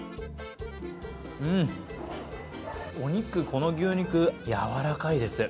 うん、お肉、この牛肉やわらかいです。